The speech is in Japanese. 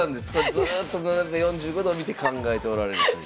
ずっと斜め４５度を見て考えておられるという。